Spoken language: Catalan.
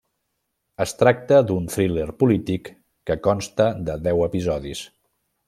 Es tracta d'un thriller polític que consta de deu episodis.